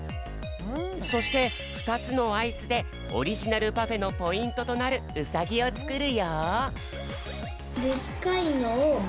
そしてふたつのアイスでオリジナルパフェのポイントとなるウサギをつくるよ。